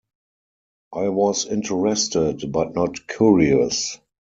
I was interested, but not curious.